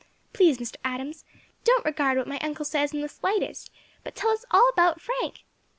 Please, Mr. Adams, don't regard what my uncle says in the slightest, but tell us all about Frank.